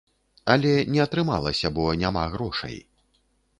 Але не атрымалася, бо няма грошай.